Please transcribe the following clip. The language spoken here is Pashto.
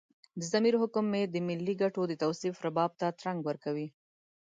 د ضمیر حکم مې د ملي ګټو د توصيف رباب ته ترنګ ورکوي.